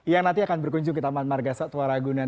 yang nanti akan berkunjung ke taman margasa tua ragunan